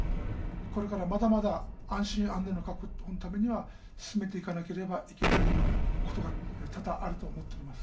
これからまだまだ、安心・安全の確保のためには、進めていかなければいけないことが多々あると思ってます。